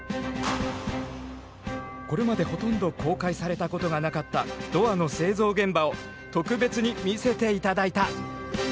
これまでほとんど公開されたことがなかったドアの製造現場を特別に見せて頂いた。